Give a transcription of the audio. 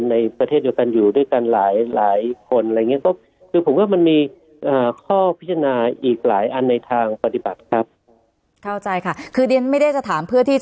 กับประเทศอยู่ค่ะ